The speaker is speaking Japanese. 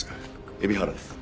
海老原です。